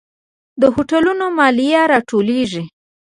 د هوټلونو مالیه راټولیږي؟